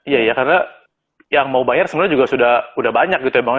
iya karena yang mau bayar sebenarnya sudah banyak gitu ya bang